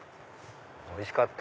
おいしかった。